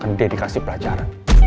kan dede kasih pelajaran